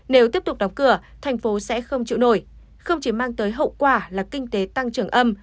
nếu tiếp tục đóng cửa thành phố sẽ không chịu nổi không chỉ mang tới hậu quả là kinh tế tăng trưởng âm